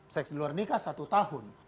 seks di luar nikah satu tahun